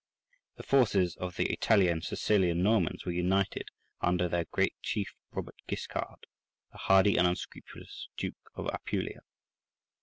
The forces of the Italian and Sicilian Normans were united under their great chief Robert Guiscard, the hardy and unscrupulous Duke of Apulia.